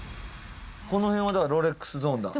この辺はロレックスゾーンだ。